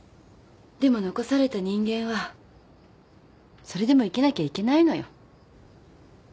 でも残された人間はそれでも生きなきゃいけないのよ。